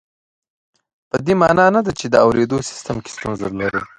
په دې مانا نه ده چې د اورېدو سیستم کې ستونزه لرو